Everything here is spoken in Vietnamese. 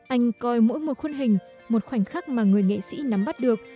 anh coi mỗi một khuôn hình một khoảnh khắc mà người nghệ sĩ nắm bắt được